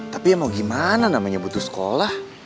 tapi ya mau gimana namanya butuh sekolah